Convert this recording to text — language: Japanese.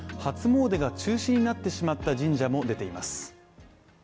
初詣が中止になってしまった神社も出ています。